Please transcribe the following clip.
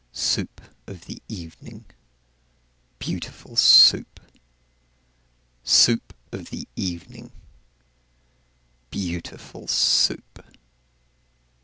Soup of the evening, beautiful Soup! Soup of the evening, beautiful Soup!